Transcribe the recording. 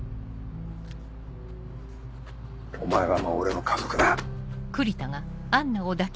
お前はもう俺の家族だ。